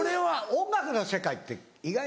音楽の世界って意外に。